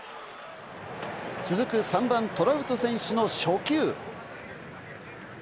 続く３番・トラウト選手の初球。